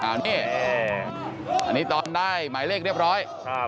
อันนี้ตอนได้หมายเลขเรียบร้อย